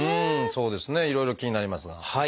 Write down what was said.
そうですねいろいろ気になりますが。